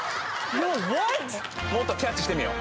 もっとキャッチしてみよう。